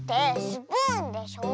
スプーンでしょ。